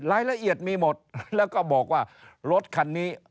รายละเอียดมีหมดแล้วก็บอกว่ารถคันนี้